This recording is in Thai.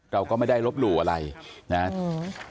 เราก็ไม่ได้ลบหลู่อะไรนะครับ